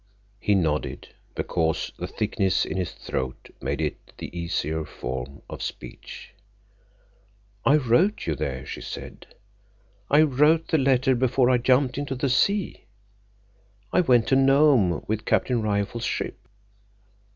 He nodded, because the thickness in his throat made it the easier form of speech. "I wrote you there," she said. "I wrote the letter before I jumped into the sea. It went to Nome with Captain Rifle's ship."